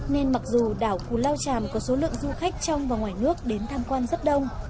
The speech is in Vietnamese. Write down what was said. nên mặc dù đảo cù lao tràm có số lượng du khách trong và ngoài nước đến tham quan rất đông